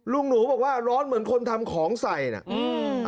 ลุงหนูบอกว่าร้อนเหมือนคนทำของใส่น่ะอืม